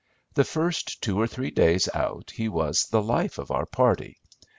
The first two or three days out he was the life of our party.